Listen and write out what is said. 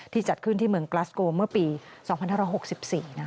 จัดขึ้นที่เมืองกลัสโกเมื่อปี๒๕๖๔นะคะ